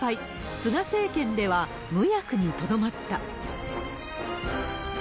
菅政権では無役にとどまった。